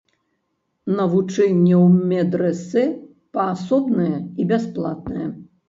Навучанне ў медрэсэ паасобнае і бясплатнае.